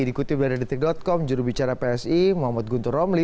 dikutip dari detik com jurubicara psi muhammad guntur romli